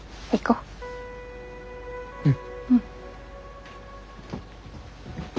うん。